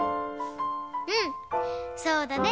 うんそうだね！